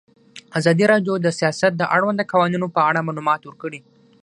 ازادي راډیو د سیاست د اړونده قوانینو په اړه معلومات ورکړي.